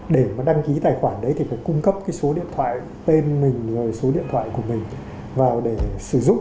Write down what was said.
để đăng ký tài khoản đấy thì phải cung cấp số điện thoại tên mình và số điện thoại của mình vào để sử dụng